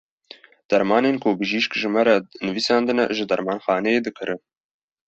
Dermanên ku bijîşk ji me re nivîsandine, ji dermanxaneyê dikirin.